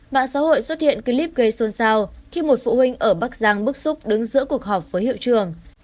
mạng xã hội xuất hiện clip gây xôn xao khi một phụ huynh ở bắc giang bức xúc đứng giữa cuộc họp với hiệu trường